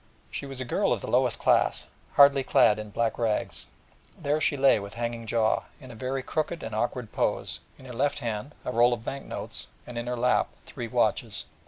She was a girl of the lowest class, hardly clad in black rags, and there she lay with hanging jaw, in a very crooked and awkward pose, a jemmy at her feet, in her left hand a roll of bank notes, and in her lap three watches.